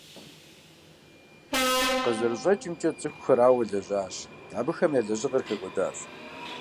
КъызэрыщӀэкӀымкӀэ, цӀыхухэр ауэ лэжьащ, абыхэм я лэжьыгъэр хэкӀуэдащ.